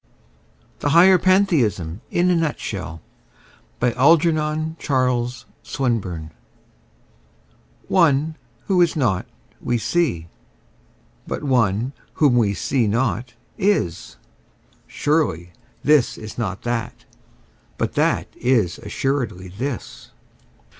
THE HIGHER PANTHEISM IN A NUTSHELL One, who is not, we see: but one, whom we see not, is: Surely this is not that: but that is assuredly this.